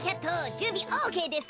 じゅんびオーケーですか？